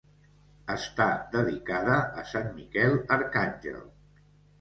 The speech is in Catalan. Està dedicada a sant Miquel Arcàngel.